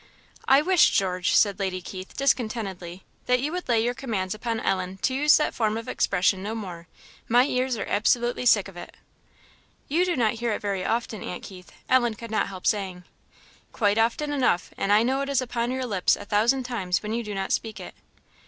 "I wish, George," said Lady Keith, discontentedly, "that you would lay your commands upon Ellen to use that form of expression no more. My ears are absolutely sick of it." "You do not hear it very often, aunt Keith," Ellen could not help saying. "Quite often enough; and I know it is upon your lips a thousand times when you do not speak it."